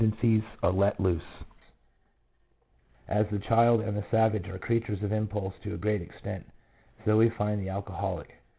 119 encies are let loose; as the child and the savage are creatures of impulse to a great extent, so we find the alcoholic.